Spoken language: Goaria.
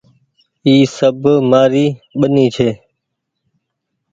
اي سب مآري ٻيني ڇي ۔